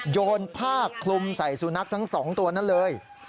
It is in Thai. โยนผ้าคลุมใส่สุนัขทั้ง๒ตัวนั้นเลย